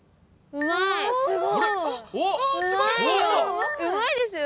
うまいよ。